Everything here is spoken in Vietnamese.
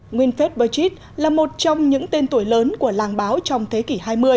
nguyên phép bơ chít là một trong những tên tuổi lớn của làng báo trong thế kỷ hai mươi